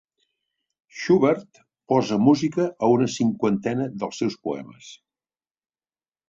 Schubert posa música a una cinquantena dels seus poemes.